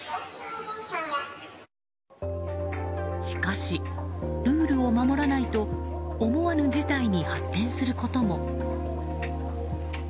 しかしルールを守らないと思わぬ事態に発展することも。